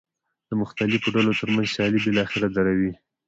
د مختلفو ډلو ترمنځ سیالۍ بالاخره دروي.